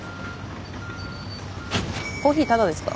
コーヒータダですか？